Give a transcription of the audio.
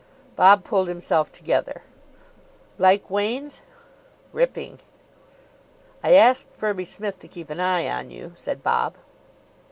Bob pulled himself together. "Like Wain's?" "Ripping." "I asked Firby Smith to keep an eye on you," said Bob.